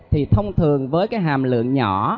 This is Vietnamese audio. thì thông thường với cái hàm lượng nhỏ